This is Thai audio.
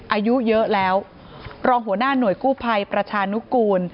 อายุเยอะแล้วรองหัวหน้าหน่วยกู้ภัยประชานุกูล